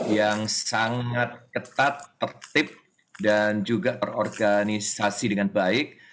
yang sangat ketat tertib dan juga terorganisasi dengan baik